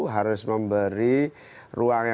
harus memberi ruangnya